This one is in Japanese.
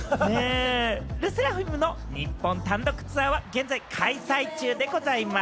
ＬＥＳＳＥＲＡＦＩＭの日本単独ツアーは現在開催中でございます。